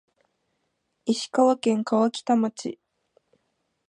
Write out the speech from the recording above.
石川県川北町